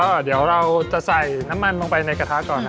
ก็เดี๋ยวเราจะใส่น้ำมันลงไปในกระทะก่อนนะ